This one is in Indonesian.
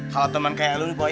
kalau temen kayak lo nih boy